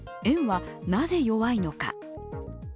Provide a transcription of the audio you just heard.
円はなぜ弱いのか。